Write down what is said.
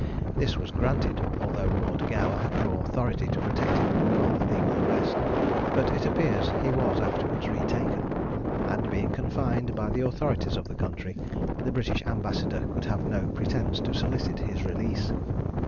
This was granted, although Lord Gower had no authority to protect him from a legal arrest; but it appears he was afterwards retaken, and being confined by the authorities of the country, the British ambassador could have no pretence to solicit his release.